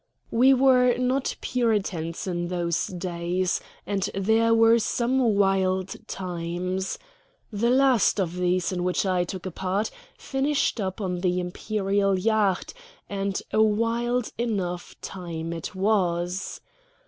We were not puritans in those days, and there were some wild times. The last of these in which I took a part finished up on the Imperial yacht; and a wild enough time it was.